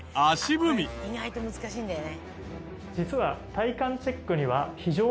意外と難しいんだよね。